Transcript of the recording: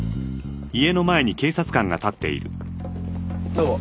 どうも。